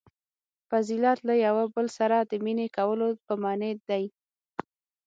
• فضیلت له یوه بل سره د مینې کولو په معنیٰ دی.